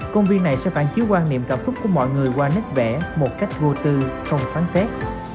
công viên này sẽ phản chiếu quan niệm cảm xúc của mọi người qua nét vẽ một cách vô tư không phán phép